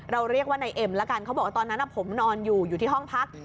เรียกว่านายเอ็มแล้วกันเขาบอกว่าตอนนั้นผมนอนอยู่อยู่ที่ห้องพัก